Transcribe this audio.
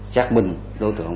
xác minh đối tượng